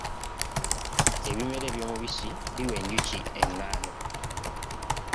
Ebimera eby'omubissi biwa enjuki engaano.